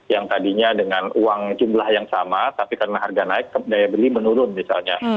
yang tadinya dengan uang jumlah yang sama tapi karena harga naik daya beli menurun misalnya